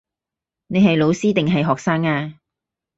你係老師定係學生呀